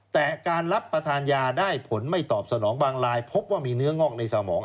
แต่การรับประทานยาได้ผลไม่ตอบสนองบางลายพบว่ามีเนื้องอกในสมอง